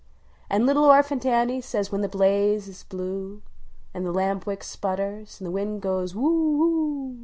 An little Orphant Annie says when the blaze is blue, An the lamp wick sputters, an the wind goes tijoo oo!